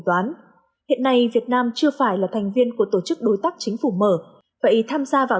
toán hiện nay việt nam chưa phải là thành viên của tổ chức đối tác chính phủ mở vậy tham gia vào